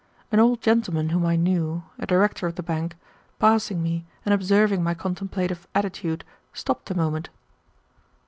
An old gentleman whom I knew, a director of the bank, passing me and observing my contemplative attitude, stopped a moment.